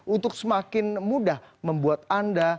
untuk semakin mudah membuat anda